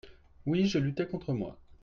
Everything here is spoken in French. Oui, je luttai contre moi.